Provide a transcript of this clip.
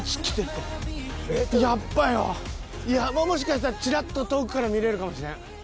もしかしたらチラッと遠くから見れるかもしれん。